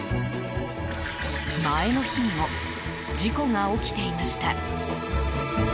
前の日にも事故が起きていました。